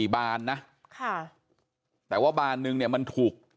๔บานนะแต่ว่าบานนึงมันถูก